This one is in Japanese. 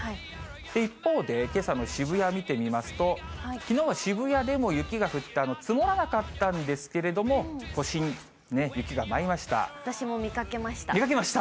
一方で、けさの渋谷見てみますと、きのうは渋谷でも雪が降って、積もらなかったんですけれども、都心、雪が舞いました。